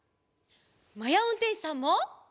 まやうんてんしさんも！